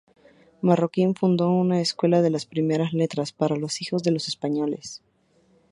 Marroquín fundó una escuela de primeras letras para los hijos de los españoles.